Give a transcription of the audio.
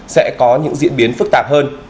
sẽ có những diễn biến phức tạp hơn